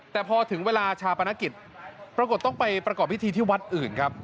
แต่พอถึงเวลาชาปนกิจปรากฏต้องไปประกอบพิธีที่วัดอื่นครับ